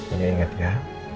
ini inget ya